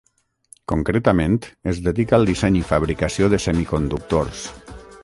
Concretament es dedica al disseny i fabricació de semiconductors.